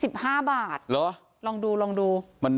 ที่อยู่๑๕บาทรองดูรองดู